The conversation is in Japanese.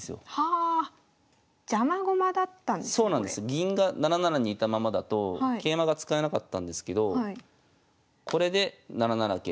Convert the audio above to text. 銀が７七にいたままだと桂馬が使えなかったんですけどこれで７七桂と跳ねて。